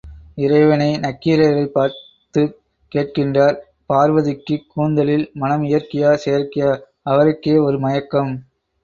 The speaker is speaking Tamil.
இறைவனே நக்கீரரைப் பார்த்துக் கேட்கின்றார் பார்வதிக்குக் கூந்தலில் மணம் இயற்கையா செயற்கையா? அவருக்கே ஒரு மயக்கம்.